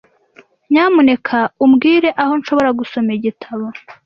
Nyamuneka umbwire aho nshobora gusoma igitabo.